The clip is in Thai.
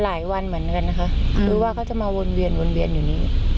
หลายวันเหมือนกันนะคะหรือว่าเขาจะมาวนเวียนอยู่นี้